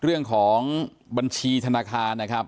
เรื่องของบัญชีธนาคารนะครับ